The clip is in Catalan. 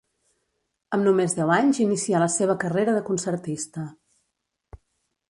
Amb només deu anys inicià la seva carrera de concertista.